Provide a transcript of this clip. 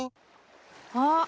あっ！